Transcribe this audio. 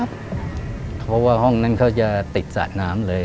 เพราะว่าห้องนั้นเขาจะติดสระน้ำเลย